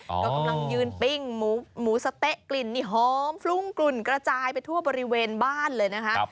ก็กำลังยืนปิ้งหมูสะเต๊ะกลิ่นนี่หอมฟลุ้งกลุ่นกระจายไปทั่วบริเวณบ้านเลยนะคะ